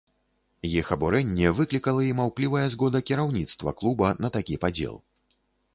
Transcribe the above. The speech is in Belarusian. Іх абурэнне выклікала і маўклівая згода кіраўніцтва клуба на такі падзел.